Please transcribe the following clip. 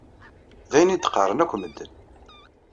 D ayen i d-qqaṛen akk medden.